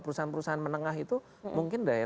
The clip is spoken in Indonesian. perusahaan perusahaan menengah itu mungkin daya